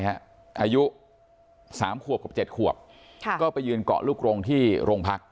อายุสามขวบกับ๗ขวบก็ไปยืนเกาะลูกโรงที่โรงพัก